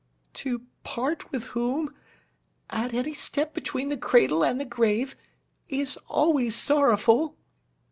'"To part with whom, at any step between the cradle and the grave, is always sorrowful.